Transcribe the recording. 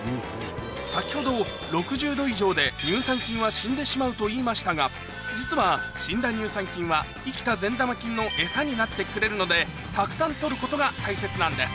先ほど６０℃以上で乳酸菌は死んでしまうと言いましたが実は死んだ乳酸菌は生きた善玉菌のエサになってくれるのでたくさんとることが大切なんです